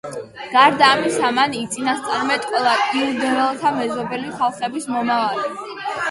გარდა ამისა, მან იწინასწარმეტყველა იუდეველთა მეზობელი ხალხების მომავალი.